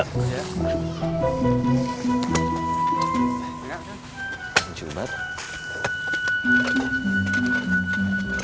saya ambil tehnya ya